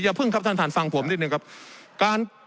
อย่าพึ่งครับท่านฟังผมนิดนึงครับ